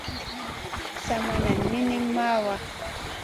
Sa maʼa nan minim mawaa.